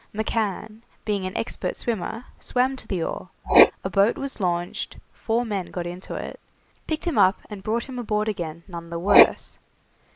McCann, being an expert swimmer, swam to the oar, a boat was launched, four men got into it, picked him up, and brought him aboard again none the worse.